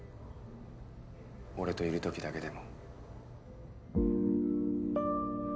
俺といるときだけでも。